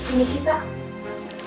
ini sih pak